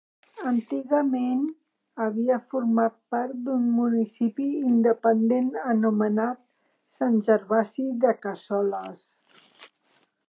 Antigament havia format part d'un municipi independent anomenat Sant Gervasi de Cassoles.